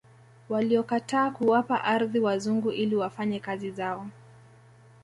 Waliokataa kuwapa ardhi wazungu ili wafanye kazi zao